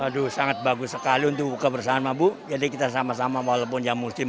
aduh sangat bagus sekali untuk buka bersama bu jadi kita sama sama walaupun yang muslim